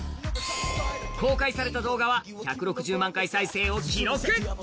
公開された動画は１６０万回再生を記録。